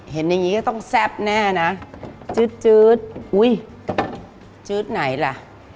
เห็นอย่างนี้ก็ต้องแซ่บแน่นะจืดอุ้ยจืดไหนล่ะ